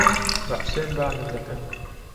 بە حوسێن بانگم دەکەن.